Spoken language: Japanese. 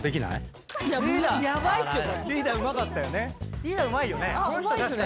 リーダーうまいよね。